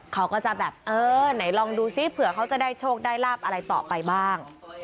เขาก็จะแบบเออไหนลองดูซิเผื่อเขาจะได้โชคได้ลาบอะไรต่อไปบ้าง